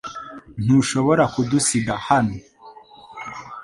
Ntushobora kudusiga hano .